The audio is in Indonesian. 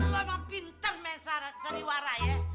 lo mah pintar main sariwara ye